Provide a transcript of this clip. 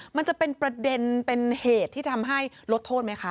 มันจะเป็นประเด็นเป็นเหตุที่ทำให้ลดโทษไหมคะ